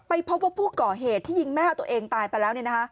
ไปพบพวกผู้ก่อเหตุที่ยิงแม่ตัวเองตายไปแล้วเนี่ยนะฮะ